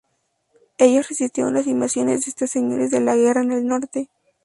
Ellos resistieron las invasiones de estos señores de la guerra en el norte.